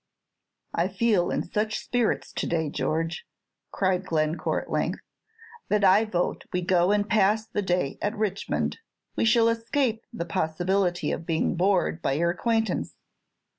"I feel in such spirits to day, George," cried Glencore at length, "that I vote we go and pass the day at Richmond. We shall escape the possibility of being bored by your acquaintance.